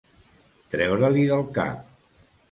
Treure-li del cap.